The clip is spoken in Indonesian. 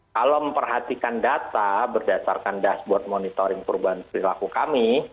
kalau memperhatikan data berdasarkan dashboard monitoring perubahan perilaku kami